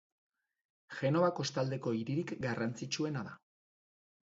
Genova kostaldeko hiririk garrantzitsuena da.